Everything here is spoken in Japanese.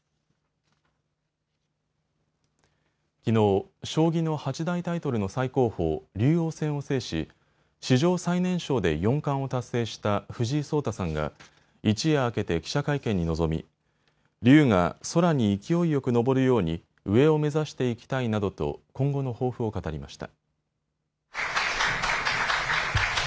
きのう、将棋の八大タイトルの最高峰、竜王戦を制し史上最年少で四冠を達成した藤井聡太さんが一夜明けて記者会見に臨み、竜が空に勢いよく昇るように上を目指していきたいなどと今後の抱負を語りました。